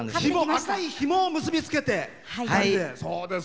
赤いひもを結び付けて２人で。